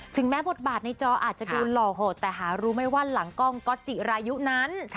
แม้บทบาทในจออาจจะดูหล่อโหดแต่หารู้ไหมว่าหลังกล้องก๊อตจิรายุนั้น